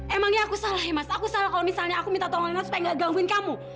emangnya aku salah ya mas aku salah kalau misalnya aku minta tolong enak supaya gak gangguin kamu